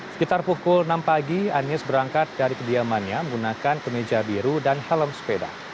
sekitar pukul enam pagi anies berangkat dari kediamannya menggunakan kemeja biru dan helm sepeda